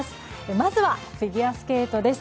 まずはフィギュアスケートです。